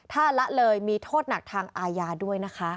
ถ้าละเลยมีโทษหนักทางอาญาด้วยนะคะ